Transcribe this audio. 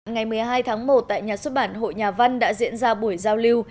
ngày một mươi hai tháng một tại nhà xuất bản hội nhà văn đã diễn ra buổi giao lưu